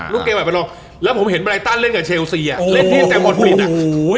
รูปเกมอาจเป็นรองแล้วผมเห็นบรายตันเล่นกับเชลซีอ่ะโอ้โหเล่นที่แซมอตฟิตอ่ะโอ้โหโห